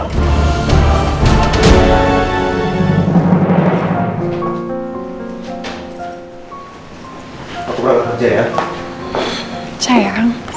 aku akan berkata caya